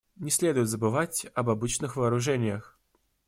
Не следует забывать об обычных вооружениях.